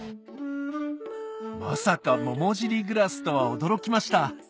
まさか桃尻グラスとは驚きました